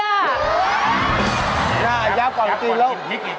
หน้ายับกว่าจริงแล้ว